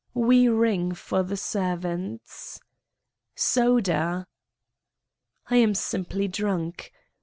We ring for the servants. "Soda!" I am simply drunk.